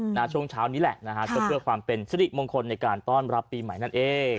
ช่วงเช้านี้แหละนะฮะก็เพื่อความเป็นสิริมงคลในการต้อนรับปีใหม่นั่นเอง